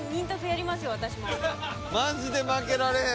マジで負けられへん！